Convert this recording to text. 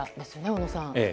小野さん。